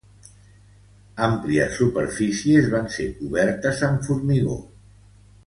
Àmplies superfícies van ser cobertes amb formigó.